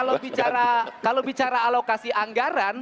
dan kalau bicara alokasi anggaran